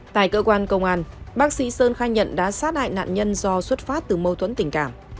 tại cơ quan công an bác sĩ sơn khai nhận đã sát hại nạn nhân do xuất phát từ mâu thuẫn tình cảm